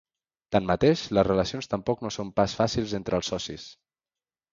Tanmateix, les relacions tampoc no són pas fàcils entre els socis.